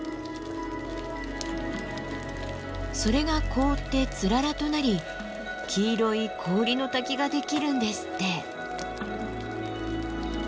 それが凍ってつららとなり黄色い氷の滝ができるんですって。